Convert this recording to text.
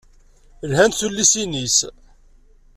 Lhant tullisin-is.